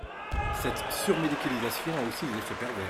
Cette surmédicalisation a aussi des effets pervers.